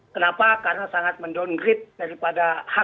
kenapa karena sangat mendonggrit daripada hak hak